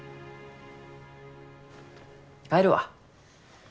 帰るわ。